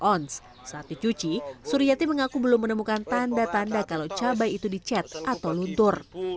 ons saat dicuci suryati mengaku belum menemukan tanda tanda kalau cabai itu dicet atau luntur